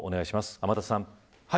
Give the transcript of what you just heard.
天達さん。